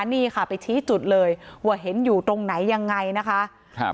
นี่ค่ะไปชี้จุดเลยว่าเห็นอยู่ตรงไหนยังไงนะคะครับ